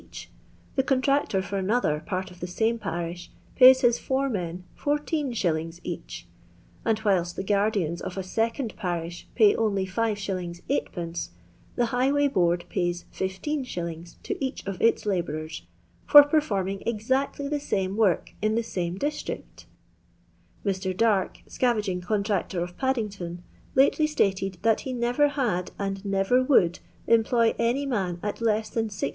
each, the contractor for another part of the same parish, pays his 4 men 14«. each ;— and whilst the guardians of a second parish pay only 5«. M., the Highway Board pays 1 5«. to each of its labourers, for performing exactly the same work in the same district !— Mr. Darke, scavensing con tractor of Paddington, kitely sUted that he never had, and never would, employ any man at less than 16*.